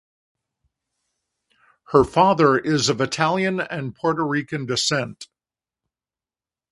Her father is of Italian and Puerto Rican descent.